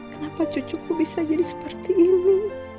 kenapa cucuku bisa jadi seperti ini